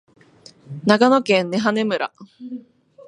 長野県根羽村